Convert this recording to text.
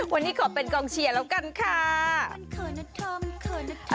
วันนี้ขอเป็นกองเชียร์แล้วกันค่ะ